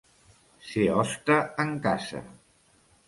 Ser hoste en casa.